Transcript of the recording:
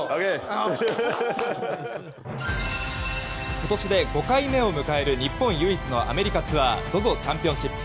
今年で５回目を迎える日本唯一のアメリカツアーＺＯＺＯチャンピオンシップ。